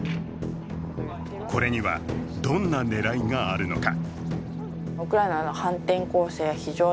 これにはどんな狙いがあるのか。